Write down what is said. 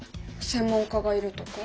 専門家がいるとか？